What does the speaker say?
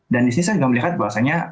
dan di sini saya juga melihat bahasanya